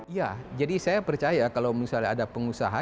iya jadi saya percaya kalau misalnya ada pengusaha